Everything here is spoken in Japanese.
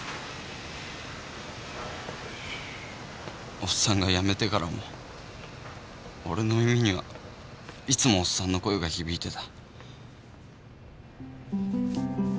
おっさんが辞めてからも俺の耳にはいつもおっさんの声が響いてた。